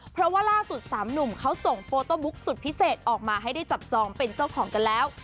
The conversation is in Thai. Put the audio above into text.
เพราะว่าล่าสุดสามหนุ่มเขาส่งโฟโต้บุ๊กสุดพิเศษออกมาให้ได้จับจองเป็นเจ้าของกันแล้ว